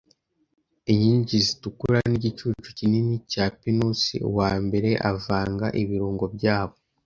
inkingi zitukura nigicucu kinini cya pinusi; uwambere avanga ibirungo byabo